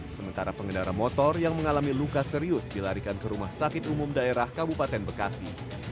sementara pengendara motor yang mengalami luka serius dilarikan ke rumah sakit umum daerah kabupaten bekasi